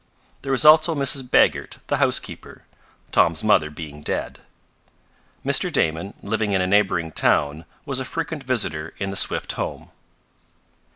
There was also Mrs. Baggert, the housekeeper, Tom's mother being dead. Mr. Damon, living in a neighboring town, was a frequent visitor in the Swift home.